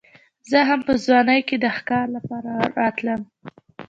زه هم په ځوانۍ کې د ښکار لپاره راتلم.